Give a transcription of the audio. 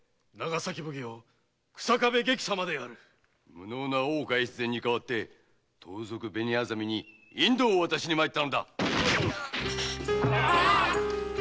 無能な大岡越前に代わって盗賊の紅薊に引導を渡しに参ったのだ。